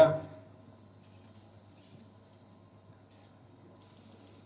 dan juga menempa saya